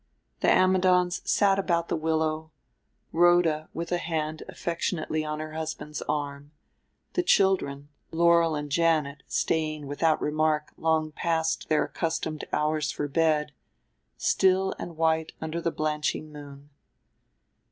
The Ammidons sat about the willow, Rhoda with a hand affectionately on her husband's arm, the children Laurel and Janet staying without remark long past their accustomed hours for bed still and white under the blanching moon.